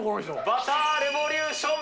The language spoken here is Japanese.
バターレボリューション。